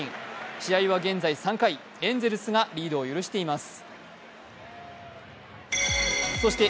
試合は現在３回、エンゼルスがリードを許しています。